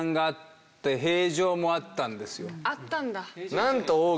あったんだ。